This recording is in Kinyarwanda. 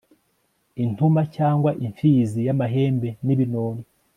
intuma cyangwa imfizi y'amahembe n'ibinono